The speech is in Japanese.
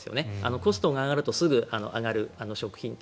コストが上がるとすぐ上がる食品と。